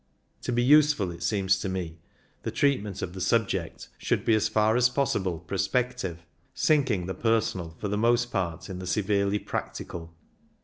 To be useful, it seems to me, the treatment of the subject should be as far as possible prospective, sinking the personal for the most part in the severely practical.